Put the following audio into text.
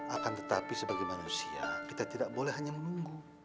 akan tetapi sebagai manusia kita tidak boleh hanya menunggu